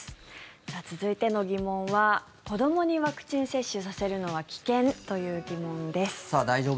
さあ、続いての疑問は子どもにワクチン接種させるのは危険？という疑問です。